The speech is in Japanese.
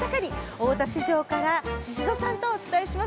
大田市場から宍戸さんとお伝えします。